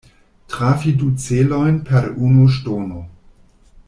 Trafi du celojn per unu ŝtono.